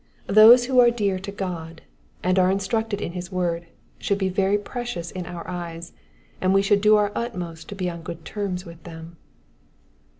Those who are dear to God, and are instructed in his word, should be very precious in our eyes, and we should do our utmost to be upon good terms with them.